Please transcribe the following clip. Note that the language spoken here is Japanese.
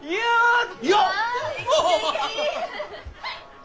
よっ！